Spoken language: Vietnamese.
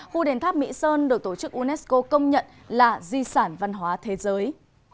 khu đền tháp mỹ sơn được tổ chức unesco công nhận là di sản văn hóa thế giới